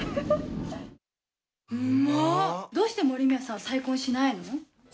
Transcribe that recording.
どうして森宮さんは再婚しないの？